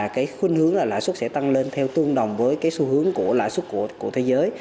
cái khuyên hướng là lãi suất sẽ tăng lên theo tương đồng với cái xu hướng của lãi suất của thế giới